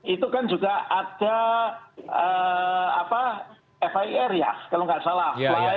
itu kan juga ada fir ya kalau nggak salah